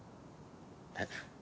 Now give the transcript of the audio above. えっ？